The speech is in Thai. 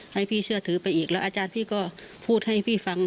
ให้พี่เชื่อถือไปอีกแล้วอาจารย์พี่ก็พูดให้พี่ฟัง